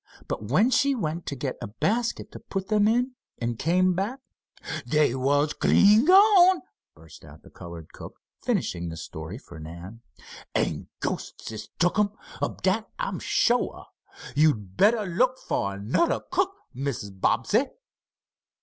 "But when she went to get a basket to put them in, and came back " "Dey was clean gone!" burst out the colored cook, finishing the story for Nan. "An' ghostests took 'em; ob dat I'se shuah. So you'd bettah look fo' anoder cook, Mrs. Bobbsey."